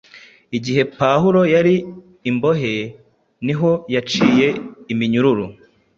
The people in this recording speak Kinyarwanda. Igihe Pawulo yari imbohe niho yaciye iminyururu